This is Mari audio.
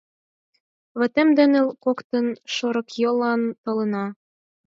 Ватем дене коктын Шорыкйоллан толына.